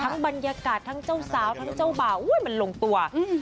บรรยากาศทั้งเจ้าสาวทั้งเจ้าบ่าวอุ้ยมันลงตัวอืม